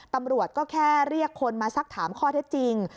ตำรวจก็แค่เรียกคนมาสักถามข้อเท็จจริง